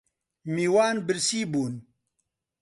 میوان برسی بوون